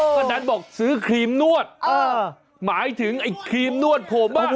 ก็นั้นบอกซื้อครีมนวดหมายถึงไอ้ครีมนวดผมอ่ะ